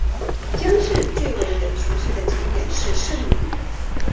姜市最为人熟悉的景点是圣陵。